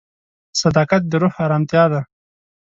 صداقت د روح ارامتیا ده.